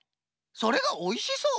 それがおいしそう？